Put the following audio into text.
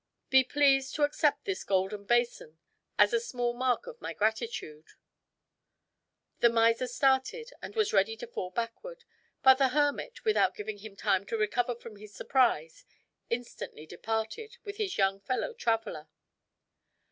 Be pleased to accept this golden basin as a small mark of my gratitude." The miser started, and was ready to fall backward; but the hermit, without giving him time to recover from his surprise, instantly departed with his young fellow traveler.